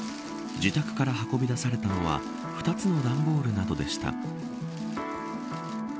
自宅から運び出されたのは２つの段ボールなどでした。